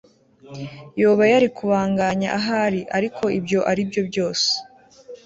Yoba yari kubanganya Ahari Ariko ibyo aribyo byose